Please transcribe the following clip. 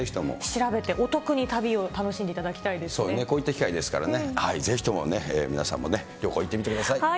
調べてお得に旅を楽しんでいこういった機会ですからね、ぜひともね、皆さんもね、旅行行ってみてください。